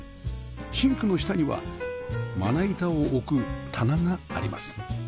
シンクの下にはまな板を置く棚があります